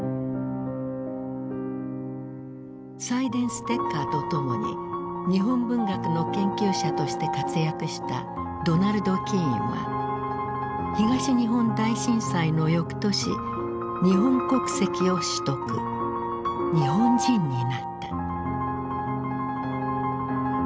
サイデンステッカーと共に日本文学の研究者として活躍したドナルド・キーンは東日本大震災の翌年日本国籍を取得日本人になった。